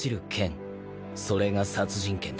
それが殺人剣だ。